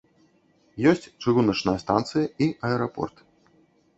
Ёсць чыгуначная станцыя і аэрапорт.